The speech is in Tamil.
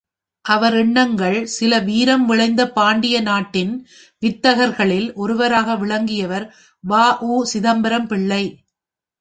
அவர் எண்ணங்கள் சில வீரம் விளைந்த பாண்டிய நாட்டின் வித்தகர்களில் ஒருவராக விளங்கியவர் வ.உ.சிதம்பரம் பிள்ளை.